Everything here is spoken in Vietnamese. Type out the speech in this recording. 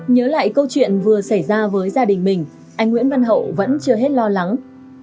nhớ lại câu chuyện vừa xảy ra với gia đình mình anh nguyễn văn hậu vẫn chưa hết lo lắng